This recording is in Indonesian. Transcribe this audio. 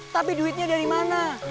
tapi duitnya dari mana